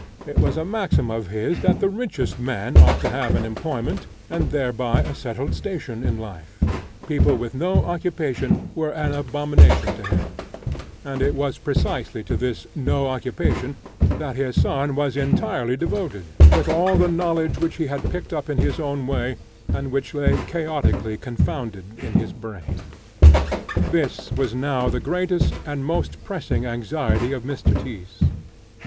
It was a maxim of his, that the richest man ought to have an employment, and thereby a settled station in life; people with no occupation were an abomination to him, and it was precisely to this no occupation that his son was entirely devoted, with all the knowledge which he had picked up in his own way, and which lay chaotically confounded in his brain. This was now the greatest and most pressing anxiety of Mr. Tyss.